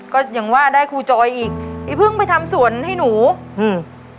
ก็อย่างว่าได้ครูจอยอีกไอ้เพิ่งไปทำสวนให้หนูอืม